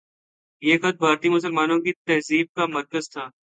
یہ خطہ بھارتی مسلمانوں کی تہذیب کا مرکز تھا۔